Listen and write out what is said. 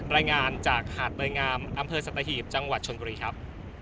รายงานจากหาดเตยงามอำเภอสัตหีบจังหวัดชนบุรีครับ